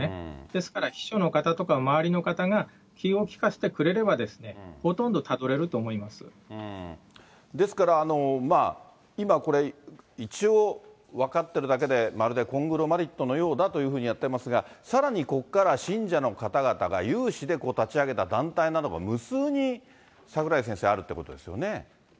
ですから、秘書の方とか周りの方が気を利かせてくれれば、ほとんどたどれるですから、今、一応、分かってるだけで、まるでコングロマリットのようだとやってますが、さらにここから信者の方々が有志で立ち上げた団体などが無数に櫻井先生、あるってことですよね。